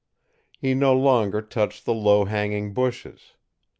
He no longer touched the low hanging bushes.